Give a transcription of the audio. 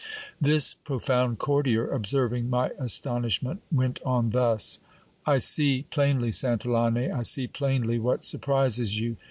This profound courtier, observing my astonishment, went on thus. I see plainly, Santillane, I see plainly what surprises you.